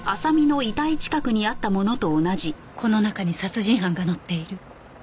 この中に殺人犯が乗っている